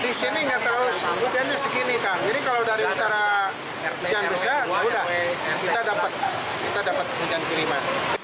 tidak tidak di sini tidak terlalu hujannya segini jadi kalau dari utara hujan besar ya sudah kita dapat hujan kiriman